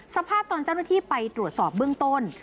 สภาพตอนเจ้าหน้าที่ไปตรวจสอบเบื้องต้น